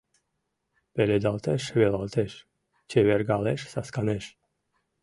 Пеледалтеш-велалтеш, чевергалеш-сасканеш...